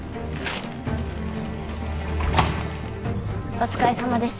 お疲れさまです